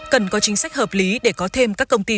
cần có chính sách hợp lý để có thêm các công ty